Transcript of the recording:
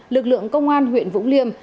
lực lượng công an huyện vũng liêm